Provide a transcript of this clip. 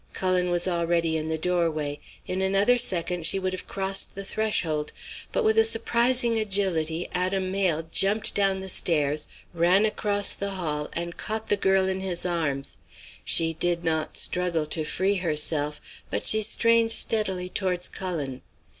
Cullen was already in the doorway; in another second she would have crossed the threshold. But with a surprising agility Adam Mayle jumped down the stairs, ran across the hall, and caught the girl in his arms. She did not struggle to free herself, but she strained steadily towards Cullen.